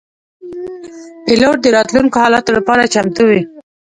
پیلوټ د راتلونکو حالاتو لپاره چمتو وي.